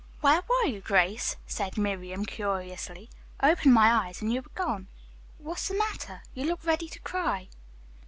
"Where were you, Grace?" said Miriam curiously. "I opened my eyes and you were gone. What's the matter? You look ready to cry."